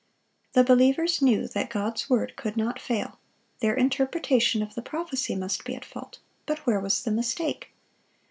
The believers knew that God's word could not fail; their interpretation of the prophecy must be at fault; but where was the mistake?